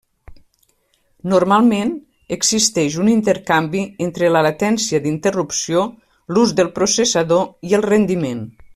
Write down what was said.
Normalment, existeix un intercanvi entre la latència d'interrupció, l'ús del processador i el rendiment.